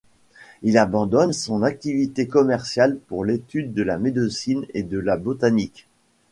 Il abandonne son activité commerciale pour l’étude de la médecine et de la botanique.